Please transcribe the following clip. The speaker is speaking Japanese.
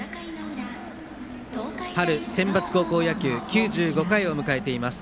春センバツ高校野球９５回を迎えています。